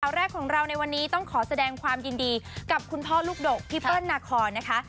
แรกของเราในวันนี้ต้องขอแสดงความยินดีกับคุณพ่อลูกดกพี่เปิ้ลนาคอนนะคะ